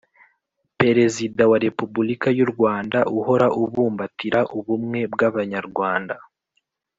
Perezida wa repubulika y u rwanda uhora ubumbatira ubumwe bw abanyarwanda